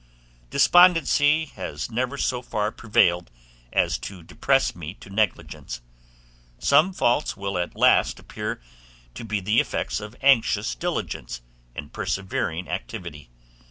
Despondency has never so far prevailed as to depress me to negligence; some faults will at last appear to be the effects of anxious diligence and persevering activity.